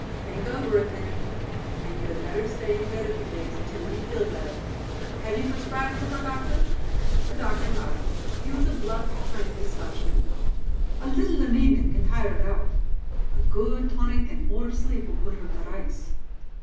"Think over it, then. And you had better stay in bed a few days until you feel better. Have you prescribed for her, doctor?" The doctor nodded. He was a bluff, kindly Scotchman. "A little anæmic and tired out. A good tonic and more sleep will put her to rights."